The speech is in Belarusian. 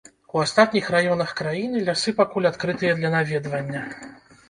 У астатніх раёнах краіны лясы пакуль адкрытыя для наведвання.